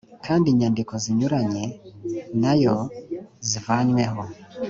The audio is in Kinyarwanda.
kandi inyandiko zinyuranye nayo zivanyweho